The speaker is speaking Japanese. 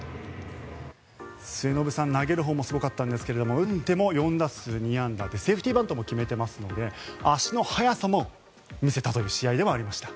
末延さん投げるほうもすごかったんですが打っても４打数２安打でセーフティーバントも決めていますので足の速さも見せた試合でした。